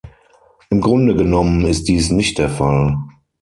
Im Grunde genommen ist dies nicht der Fall.